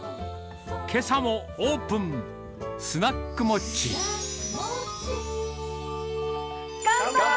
けさもオープン、スナックモッチー。